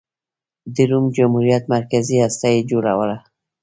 د روم جمهوریت مرکزي هسته یې جوړوله.